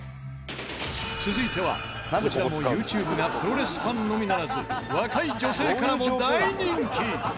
続いてはこちらもＹｏｕＴｕｂｅがプロレスファンのみならず若い女性からも大人気！